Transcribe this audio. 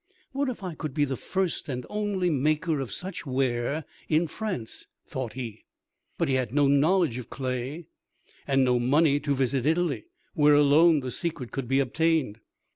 "What if I could be the first and only maker of such ware in France?" thought he. But he had no knowledge of clay, and no money to visit Italy, where alone the secret could be obtained.